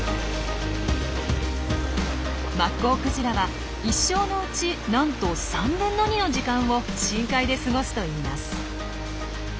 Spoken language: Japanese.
マッコウクジラは一生のうちなんと３分の２の時間を深海で過ごすといいます。